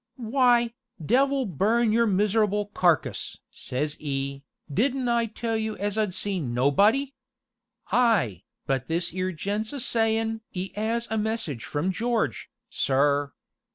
'Why, devil burn your miserable carcass!' say 'e, 'didn't I tell you as I'd see nobody?' 'Ay, but this 'ere gent's a sayin' 'e 'as a message from George, sir.'